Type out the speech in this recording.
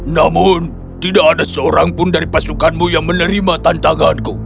namun tidak ada seorang pun dari pasukanmu yang menerima tantanganku